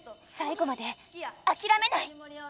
最後まであきらめない！